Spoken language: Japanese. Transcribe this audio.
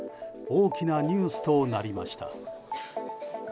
大きなニュースとなりました。